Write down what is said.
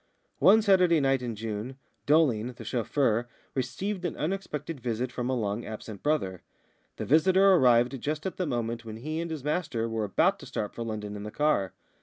One Saturday night in June, Dolling, the chauffeur, received an unexpected visit from a long absent brother. The visitor arrived just at the moment when he and his master were about to start for London in the car.